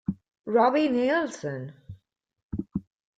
Robbie Neilson